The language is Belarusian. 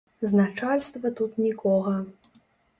З начальства тут нікога.